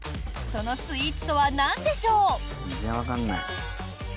そのスイーツとはなんでしょう？